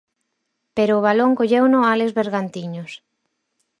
Pero o balón colleuno Álex Bergantiños.